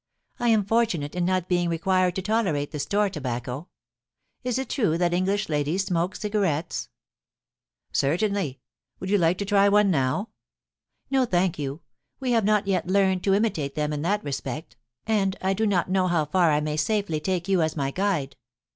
I am fortunate in not being re quired to tolerate the store tobacco. Is it true that English ladies smoke cigarettes ?Certainly ; would you like to try one now ?No, thank you ; we have not yet learned to imitate them in that respect, and I do not know how far I may safely take II 1 62 POLICY AND PASS 10 X. you as my guide.